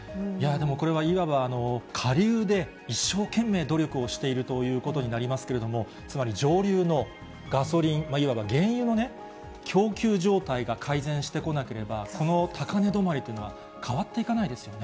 でもこれはいわば、下流で一生懸命努力をしているということになりますけれども、つまり上流のガソリン、いわば原油のね、供給状態が改善してこなければ、この高値止まりっていうのは変わっていかないですよね。